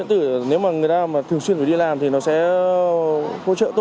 trong trạm chốt